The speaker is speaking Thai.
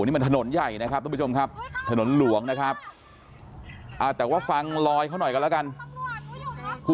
คือไม่ว่าจะสาเหตุอะไรยังไงก็ตั้งแต่แต่คุณก็ขี่จักรยานยนต์